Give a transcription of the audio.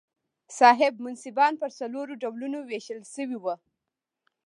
صاحب منصبان پر څلورو ډلو وېشل شوي وو.